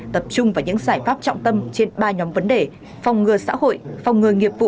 tập trung vào những giải pháp trọng tâm trên ba nhóm vấn đề phòng ngừa xã hội phòng ngừa nghiệp vụ